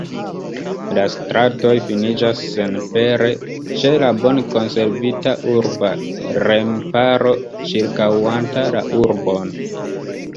La stratoj finiĝas senpere ĉe la bone konservita urba remparo ĉirkaŭanta la urbon.